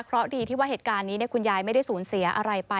เพราะดีที่ว่าเหตุการณ์นี้คุณยายไม่ได้สูญเสียอะไรไป